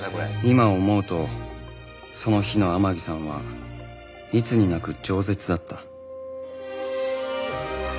今思うとその日の天樹さんはいつになく饒舌だった